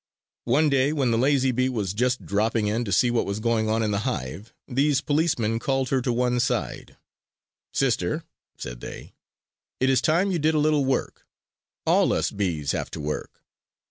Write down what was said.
One day when the lazy bee was just dropping in to see what was going on in the hive, these policemen called her to one side: "Sister," said they, "it is time you did a little work. All us bees have to work!"